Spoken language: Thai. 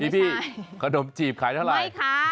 พี่ขนมจีบขายเท่าไร